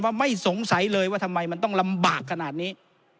ไม่สงสัยเลยว่าทำไมมันต้องลำบากขนาดนี้